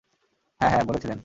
হ্যাঁ হ্যাঁ, বলেছিলেন।